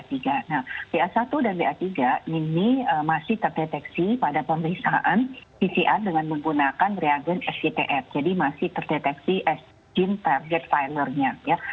nah b a satu dan b a tiga ini masih terdeteksi pada pemeriksaan pcr dengan menggunakan reagent sctf jadi masih terdeteksi as gene target filernya